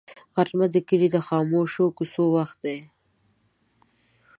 غرمه د کلي د خاموشو کوڅو وخت دی